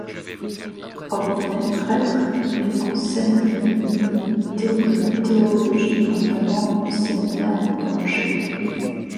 Ordonné prêtre, il enseigne les humanités et la théologie, notamment au séminaire d'Angers.